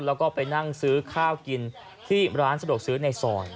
แล้วก็ไปนั่งซื้อข้าวกินที่ร้านสะดวกซื้อในซอย